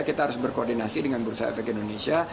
kita harus berkoordinasi dengan bursa efek indonesia